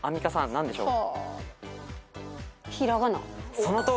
何でしょう？